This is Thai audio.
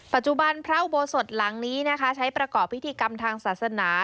ปัจจุบันพระอุโบสถหลังนี้นะคะใช้ประกอบพิธีกรรมทางศาสนา